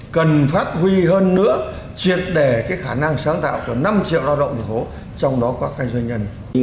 cần phát huy hơn nữa triệt đề khả năng sáng tạo của năm triệu lao động thành phố trong đó có các doanh nhân